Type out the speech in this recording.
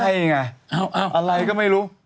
ใช่ไงอะไรก็ไม่รู้